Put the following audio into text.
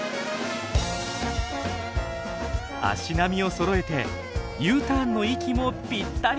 足並みをそろえてＵターンの息もぴったり。